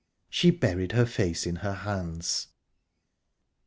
She buried her face in her hands...